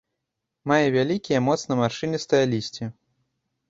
Мае вялікія моцна маршчыністае лісце.